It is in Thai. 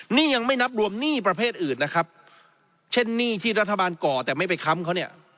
หนี้ยังไม่นับรวมหนี้ประเภทอื่นนะครับเช่นหนี้ที่รัฐบาลก่อแต่ไม่ไปค้ำเขาเนี่ย